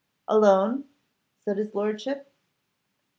'Alone?' said his lordship.